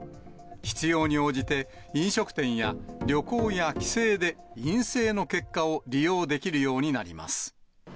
必要に応じて飲食店や、旅行や帰省で陰性の結果を利用できるようになります。